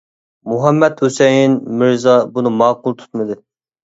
مۇھەممەت ھۈسەيىن مىرزا بۇنى ماقۇل تۇتمىدى.